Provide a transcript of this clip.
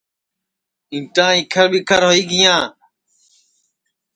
اِنٹا اِکھر ٻیکھر ہوئی گیاں